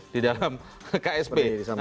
di dalam ksp